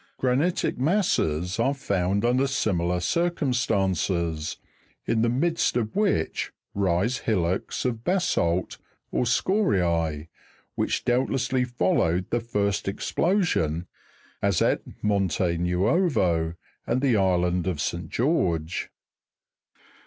161 Granitic masses are found under similar circumstances, in the midst of which rise hillocks of basa'lt or scoriae, which doubtlessly followed the first explosion, as at Monte Nuovo and the island of St. George.